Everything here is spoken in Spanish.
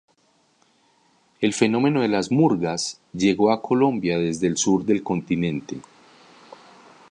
El fenómeno de las murgas llegó a Colombia desde el sur del continente.